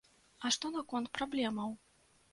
А што наконт праблемаў?